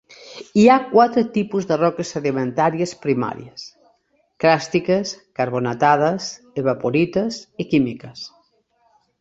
Hi ha quatre tipus de roques sedimentàries primàries: clàstiques, carbonatades, evaporites i químiques.